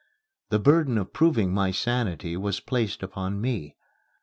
The burden of proving my sanity was placed upon me.